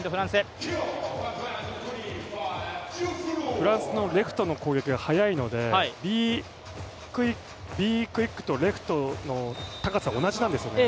フランスのレフトの攻撃が早いのでＢクイックとレフトの高さ、同じなんですよね。